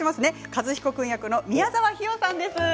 和彦君役の宮沢氷魚さんです。